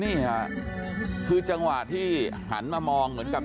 นี่ค่ะคือจังหวะที่หันมามองเหมือนกับ